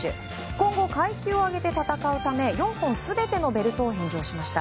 今後、階級を上げて戦うため４本全てのベルト返上しました。